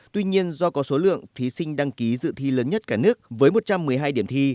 tuy nhiên do có số lượng thí sinh đăng ký dự thi lớn nhất cả nước với một trăm một mươi hai điểm thi